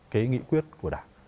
cái nghị quyết của đảng